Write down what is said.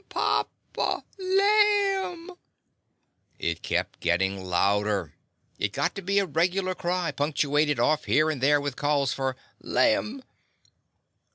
Papa, laimT' It kept gittin' louder. It got to be a regular cry, punctuated off here and there with calls for "laim."